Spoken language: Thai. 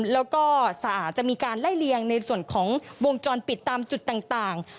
แล้วก็สะอาดจะมีการไล่เลียงในส่วนของวงจรปิดตามจุดต่าง